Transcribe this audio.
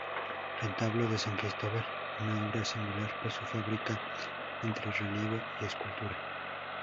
Retablo de San Cristobal: una obra singular por su fábrica entre relieve y escultura.